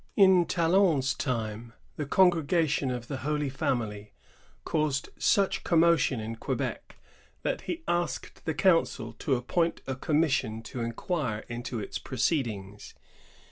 In Talon's time the Congregation of the Holy Family caused such commotion in Quebec that he asked the council to appoint a commission to inquire into its proceedings.